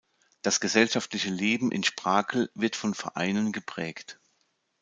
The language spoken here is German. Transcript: Das gesellschaftliche Leben in Sprakel wird von Vereinen geprägt.